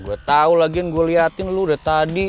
gue tahu lagian gue liatin lo dari tadi